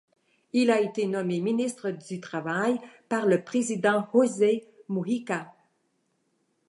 Il a été nommé ministre du Travail par le président José Mujica.